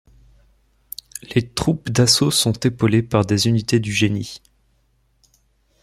Les troupes d’assaut sont épaulées par des unités du génie.